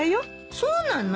そうなの？